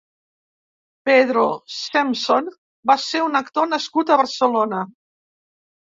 Pedro Sempson va ser un actor nascut a Barcelona.